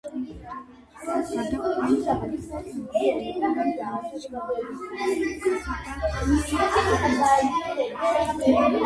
კინოინდუსტრიის გარდა ბენ აფლეკი აქტიურად არის ჩართული პოლიტიკასა და საქველმოქმედო საქმიანობაში.